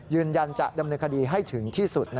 ยืนยันจะดำเนินคดีให้ถึงที่สุด